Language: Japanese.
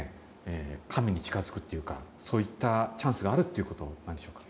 神に近づくっていうかそういったチャンスがあるっていうことなんでしょうか？